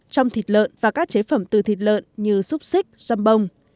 trong thịt lợn và các chế phẩm từ thịt lợn như xúc xích xăm bông